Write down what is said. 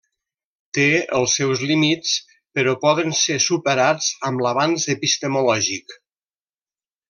Té els seus límits, però poden ser superats amb l'avanç epistemològic.